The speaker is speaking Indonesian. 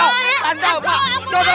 eh minta diberi apa